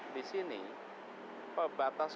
di sini batas